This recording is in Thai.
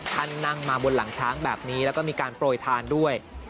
นั่งมาบนหลังช้างแบบนี้แล้วก็มีการโปรยทานด้วย